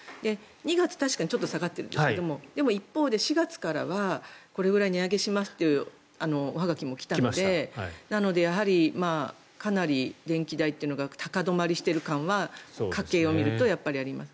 ２月確かにちょっと下がっているんですが一方で４月からはこれぐらい値上げしますというおはがきも来たのでなので、かなり電気代というのが高止まりしている感は家計を見るとあります。